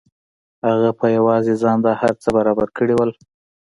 هغه په یوازې ځان دا هر څه برابر کړي وو